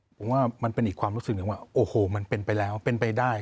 ผมว่ามันเป็นอีกความรู้สึกหนึ่งว่าโอ้โหมันเป็นไปแล้วเป็นไปได้